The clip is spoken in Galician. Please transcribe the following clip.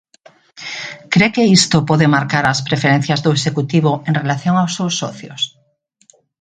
Cre que isto pode marcar as preferencias do Executivo en relación aos seus 'socios'?